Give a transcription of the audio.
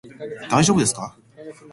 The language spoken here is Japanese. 大丈夫ですか？